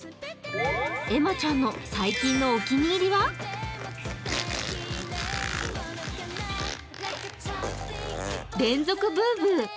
えまちゃんの最近のお気に入りは連続ブーブー。